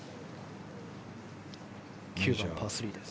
９番パー３です。